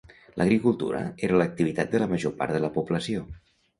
L'agricultura era l'activitat de la major part de la població.